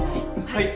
はい。